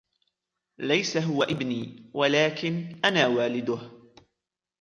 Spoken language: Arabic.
ليس "هو إبني" ولكن " أنا والده".